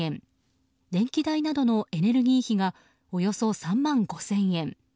電気代などのエネルギー費がおよそ３万５０００円。